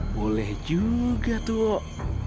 boleh juga tuan